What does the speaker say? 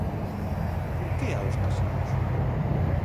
¿Por que aos casinos?